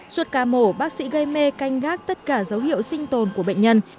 suốt ca mổ bác sĩ gây mê canh gác tất cả dấu hiệu sinh tồn của bệnh nhân